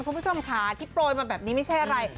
คุณผู้ชมคะพร้อมมาแบบนี้ไม่ใช่ไร